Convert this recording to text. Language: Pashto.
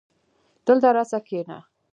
دلته راسه کينه